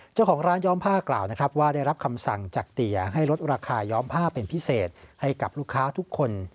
เจ้าของร้านย้อมผ้ากล่าวนะครับว่าได้รับคำสั่งจากเตี๋ยให้ลดราคาย้อมผ้าเป็นพิเศษให้กับลูกค้าทุกคน